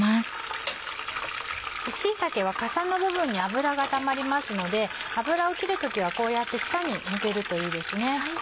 椎茸はかさの部分に油がたまりますので油を切る時はこうやって下に向けるといいですね。